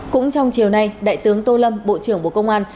cũng trong chiều nay đại tướng tô lâm bộ trưởng bộ công an